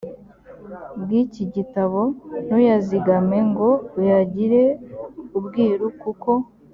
bw iki gitabo ntuyazigame ngo uyagire ubwiru kuko